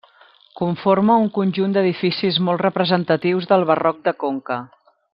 Conforma un conjunt d'edificis molt representatius del barroc de Conca.